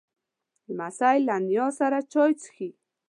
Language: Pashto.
لمسی له نیا سره چای څښي.